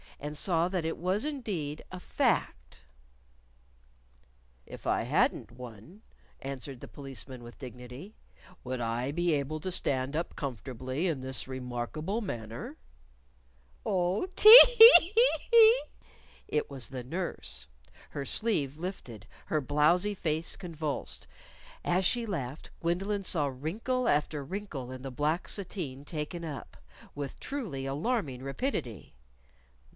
And saw that it was indeed a fact! "If I hadn't one," answered the Policeman with dignity, "would I be able to stand up comfortably in this remarkable manner?" "Oh, tee! hee! hee! hee!" It was the nurse, her sleeve lifted, her blowzy face convulsed. As she laughed, Gwendolyn saw wrinkle after wrinkle in the black sateen taken up with truly alarming rapidity.